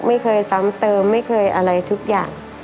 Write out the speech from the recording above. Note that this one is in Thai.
ไม่เคยซ้ำเติมไม่เคยอะไรทุกอย่าง